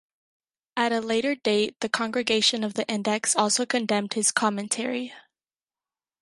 At a later date the Congregation of the Index also condemned his "Commentary".